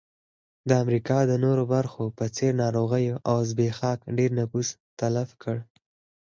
د امریکا د نورو برخو په څېر ناروغیو او زبېښاک ډېر نفوس تلف کړ.